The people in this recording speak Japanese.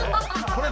これ。